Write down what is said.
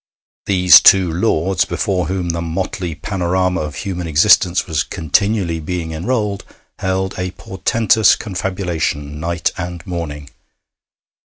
These two lords, before whom the motley panorama of human existence was continually being enrolled, held a portentous confabulation night and morning.